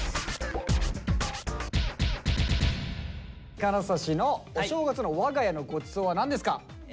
金指の「お正月の我が家のごちそう」は何ですか？